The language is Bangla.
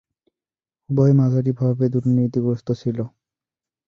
উভয়ই মাঝারিভাবে দুর্নীতিগ্রস্ত ছিল।